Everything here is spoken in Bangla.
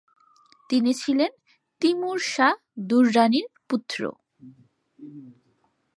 তিনি ছিলেন তিমুর শাহ দুররানির পুত্র।